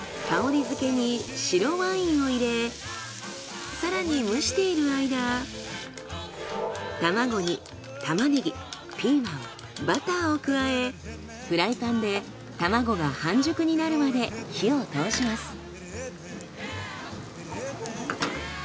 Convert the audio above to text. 香りづけに白ワインを入れ更に蒸している間卵に玉ねぎ・ピーマン・バターを加えフライパンで卵が半熟になるまで火を通します。